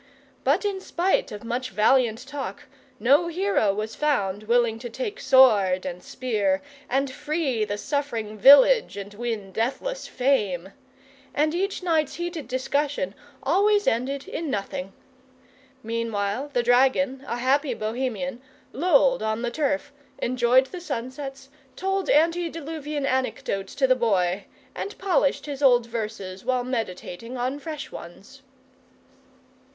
But in spite of much valiant talk no hero was found willing to take sword and spear and free the suffering village and win deathless fame; and each night's heated discussion always ended in nothing. Meanwhile the dragon, a happy Bohemian, lolled on the turf, enjoyed the sunsets, told antediluvian anecdotes to the Boy, and polished his old verses while meditating on fresh ones.